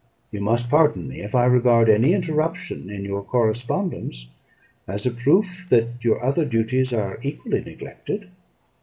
You must pardon me if I regard any interruption in your correspondence as a proof that your other duties are equally neglected."